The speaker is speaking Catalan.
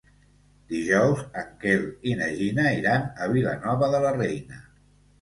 Dijous en Quel i na Gina iran a Vilanova de la Reina.